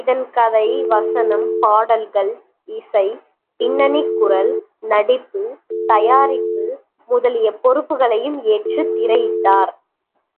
இதன் கதை, வசனம், பாடல்கள், இசை, பின்னணிக்குரல், நடிப்பு, தயாரிப்பு முதலிய பொறுப்புக்களையும் ஏற்று திரையிட்டார்.